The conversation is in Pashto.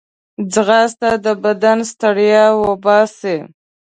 ځغاسته د بدن ستړیا وباسي